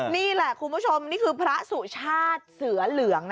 นี่แหละคุณผู้ชมนี่คือพระสุชาติเสือเหลือง